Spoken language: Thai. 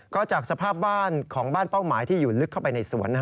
ก็จากสภาพบ้านของบ้านเป้าหมายที่อยู่ลึกเข้าไปในสวน